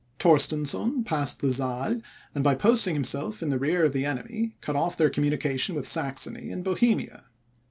Torstensohn passed the Saal, and by posting himself in the rear of the enemy, cut off their communication with Saxony and Bohemia.